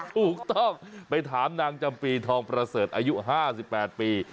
ถูกต้องไปถามนางจำปีทองประเสริฐอายุ๕๘ปี